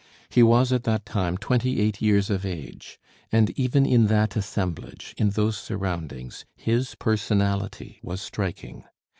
He was at that time twenty eight years of age; and even in that assemblage, in those surroundings, his personality was striking.